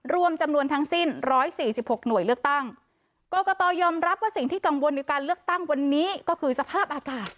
รวมจำนวนทั้งสิ้นร้อยสี่สิบหกหน่วยเลือกตั้งกรกตยอมรับว่าสิ่งที่กังวลในการเลือกตั้งวันนี้ก็คือสภาพอากาศ